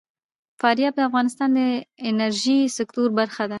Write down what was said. فاریاب د افغانستان د انرژۍ سکتور برخه ده.